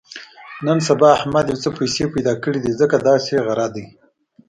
نن سبا احمد یو څه پیسې پیدا کړې دي، ځکه داسې غره دی.